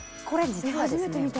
これ実はですね